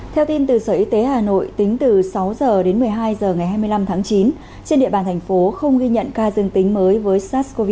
theo tin từ sở y tế hà nội tính từ sáu h đến một mươi hai h ngày hai mươi năm tháng chín trên địa bàn thành phố không ghi nhận ca dương tính với sars cov hai